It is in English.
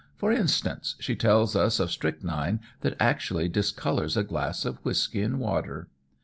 For instance, she tells us of strychnine that actually discolours a glass of whisky and water.